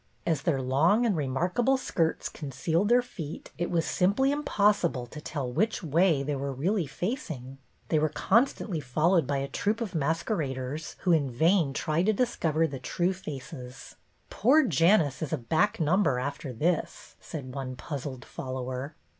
As their long and remarkable skirts concealed their feet it was simply impossible to tell which way they were really facing. They were constantly followed by a troop of mas queraders who in vain tried to discover the true faces. " Poor Janus is a back number after this," said one puzzled follower.